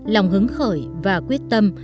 lòng hứng khởi và quyết tâm